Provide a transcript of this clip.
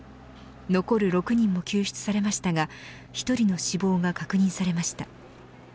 残る６人も救出されましたが１人の死亡が確認されました。